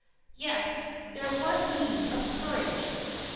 "Yes, there was need of courage.